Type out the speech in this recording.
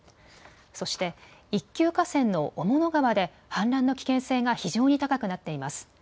そして一級河川の雄物川で氾濫の危険性が非常に高くなっています。